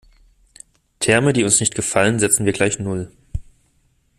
Terme, die uns nicht gefallen, setzen wir gleich null.